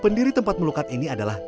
pendiri tempat melukat ini adalah